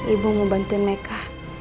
ibu mau bantuin meka